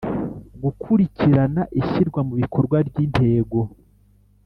Gukurikirana ishyirwa mu bikorwa ry Intego